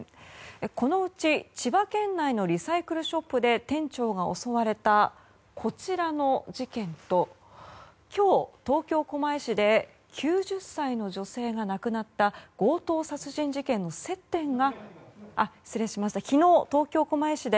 このうち千葉県内のリサイクルショップで店長が襲われたこちらの事件と今日、東京・狛江市で９０歳の女性が亡くなった強盗殺人事件の接点が。